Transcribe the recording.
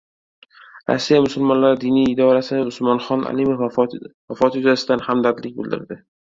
Rossiya musulmonlari diniy idorasi Usmonxon Alimov vafoti yuzasidan hamdardlik bildirdi